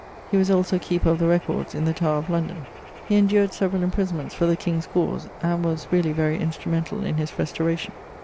He was also Keeper of the Records in the Tower of London. He endured severall imprisonments for the king's cause, and was (really) very instrumentall in his restauracion.